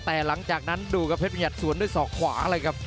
แต่หลังจากนั้นเพชรบรรยัตน์สวนด้วยศอกขวา